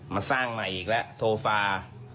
มาสร้างใหม่อีกแล้วโทฟา